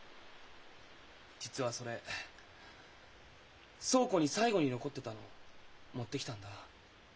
実はそれ倉庫に最後に残ってたのを持ってきたんだ。